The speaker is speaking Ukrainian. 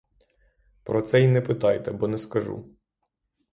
Про це й не питайте, бо не скажу.